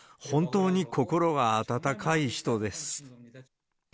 本当に心が温かい人です。